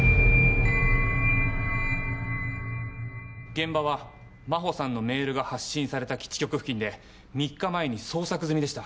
現場は真帆さんのメールが発信された基地局付近で３日前に捜索済みでした。